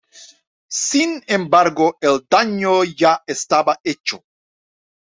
Sin embargo el daño ya estaba hecho.